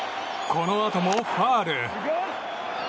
このあともファウル。